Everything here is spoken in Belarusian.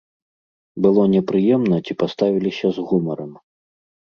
Было непрыемна ці паставіліся з гумарам?